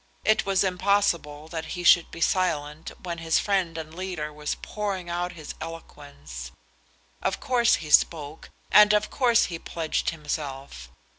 It was impossible that he should be silent when his friend and leader was pouring out his eloquence. Of course he spoke, and of course he pledged himself.